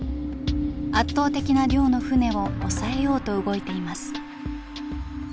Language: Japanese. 圧倒的な量の船を押さえようと動いています。